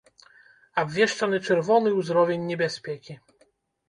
Абвешчаны чырвоны ўзровень небяспекі.